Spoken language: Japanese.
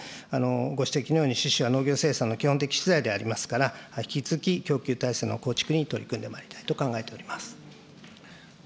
ご指摘のように種子は農業生産の基本的資材でありますから、引き続き、供給体制の構築に取り組んでまいりたいと考えております。